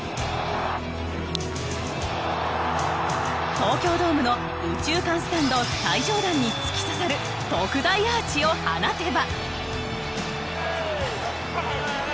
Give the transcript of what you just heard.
東京ドームの右中間スタンド最上段に突き刺さる特大アーチを放てば。